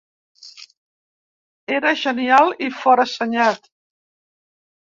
Era genial i forassenyat.